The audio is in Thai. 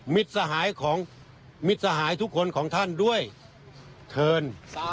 มิตรสหายทุกคนของท่านด้วยเคิร์น